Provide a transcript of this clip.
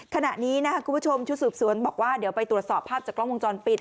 ขณะนี้นะครับคุณผู้ชมชุดสืบสวนบอกว่าเดี๋ยวไปตรวจสอบภาพจากกล้องวงจรปิด